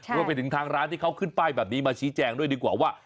รวมไปถึงทางร้านที่เขาขึ้นป้ายแบบนี้มาชี้แจงด้วยดีกว่าว่า